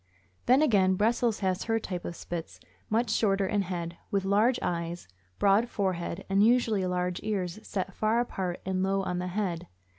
Then, again, Brussels has her type of Spits, much shorter in head, with large eyes, broad forehead, and usually large ears set far apart and low on the head.